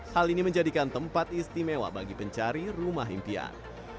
hal ini menjadikan tempat istimewa bagi pencari rumah impian